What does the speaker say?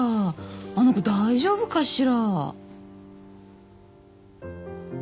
あの子大丈夫かしら？